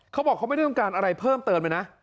เขาบอกเขาไม่ได้ต้องการอะไรเพิ่มเติมเลยนะ